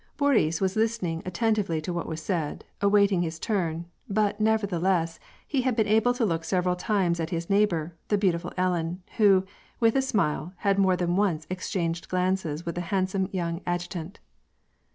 Boris was listening attentively to what was said, awaiting his turn, but, nevertheless, he had been able to look several times at his neighbor, the beautiful Ellen, who, with a smile, had more than once exchanged glances with the handsome young adjutant.